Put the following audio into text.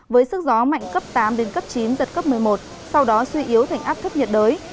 với sức gió mạnh cấp tám đến cấp chín giật cấp một mươi một sau đó suy yếu thành áp thấp nhiệt đới